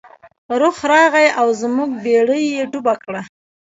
رخ راغی او زموږ بیړۍ یې ډوبه کړه.